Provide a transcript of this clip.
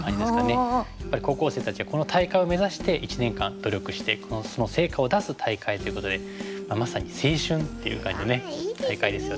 やっぱり高校生たちはこの大会を目指して一年間努力してその成果を出す大会ということでまさに青春っていう感じの大会ですよね。